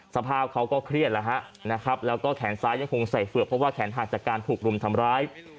สภาพเขาก็เครียดแล้วก็แขนซ้ายังคงใส่เฟือกเพราะว่าแขนหาจากการผูกรุมทำร้าย